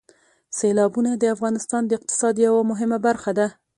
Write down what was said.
سیلابونه د افغانستان د اقتصاد یوه مهمه برخه ده.